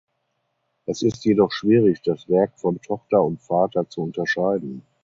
Es ist jedoch schwierig das Werk von Tochter und Vater zu unterscheiden.